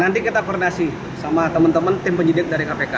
nanti kita koordinasi sama teman teman tim penyidik dari kpk